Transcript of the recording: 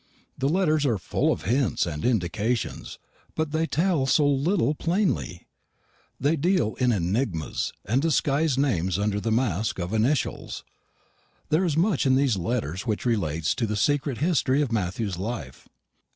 The letters are full of hints and indications, but they tell so little plainly. They deal in enigmas, and disguise names under the mask of initials. There is much in these letters which relates to the secret history of Matthew's life.